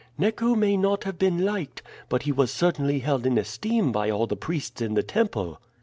Neco may not have been liked, but he was certainly held in esteem by all the priests in the temple."